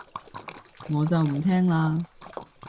我就唔聽喇